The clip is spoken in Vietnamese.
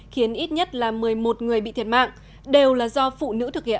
khiến ít nhất là một mươi một người bị thiệt mạng đều là do phụ nữ thực hiện